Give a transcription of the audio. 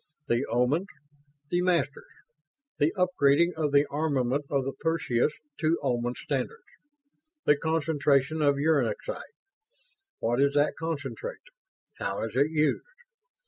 "The Omans. The Masters. The upgrading of the armament of the Perseus to Oman standards. The concentration of uranexite. What is that concentrate? How is it used?